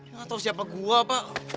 nggak tau siapa gue pak